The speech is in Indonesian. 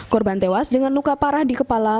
korban tewas dengan luka parah di kepala